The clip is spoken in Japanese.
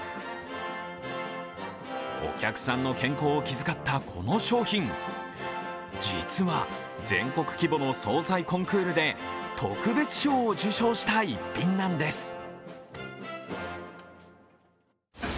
お客さんの健康を気遣ったこの商品、実は全国規模の総菜コンクールで特別賞を受賞した逸品なんです。